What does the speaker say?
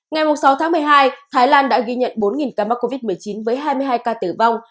ngày sáu tháng một mươi hai thái lan đã ghi nhận bốn ca mắc covid một mươi chín với hai mươi hai ca tử vong